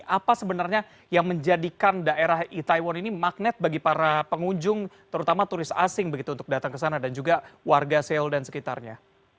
apa sebenarnya yang menjadikan daerah itaewon ini magnet bagi para pengunjung terutama turis asing begitu untuk datang ke sana dan juga warga seoul dan sekitarnya